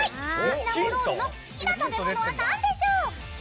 シナモロールの好きな食べ物は何でしょう。